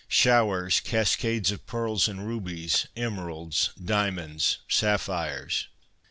Showers, cascades of pearls and rubies, emeralds, diamonds, sapphires."